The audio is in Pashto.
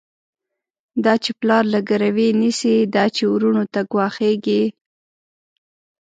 دا چی پلار له ګروی نيسی، دا چی وروڼو ته ګواښيږی